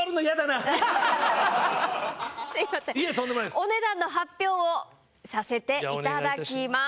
お値段の発表をさせていただきます。